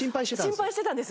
心配してたんです。